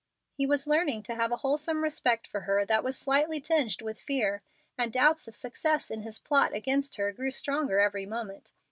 He was learning to have a wholesome respect for her that was slightly tinged with fear, and doubts of success in his plot against her grew stronger every moment.